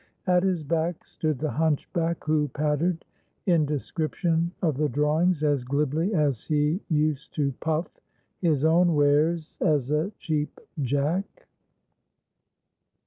At his back stood the hunchback, who "pattered" in description of the drawings as glibly as he used to "puff" his own wares as a Cheap Jack.